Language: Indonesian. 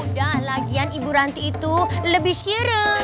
udah lagian ibu ranti itu lebih sire